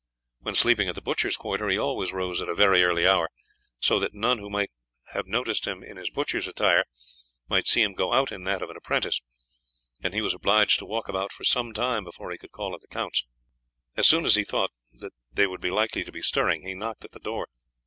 When sleeping at the butchers' quarter he always rose at a very early hour, so that none who might have noticed him in his butcher's attire should see him go out in that of an apprentice, and he was obliged to walk about for some time before he could call at the count's. As soon as he thought that they would be likely to be stirring he knocked at the door.